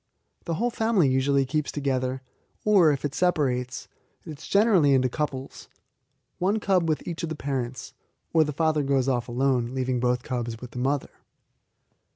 The whole family usually keeps together, or, if it separates, it is generally into couples one cub with each of the parents; or the father goes off alone, leaving both cubs with the mother.